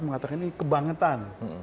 mengatakan ini kebangetan